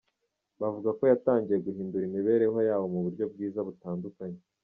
Bavuga ko yatangiye guhindura imibereho yabo mu buryo bwiza butandukanye.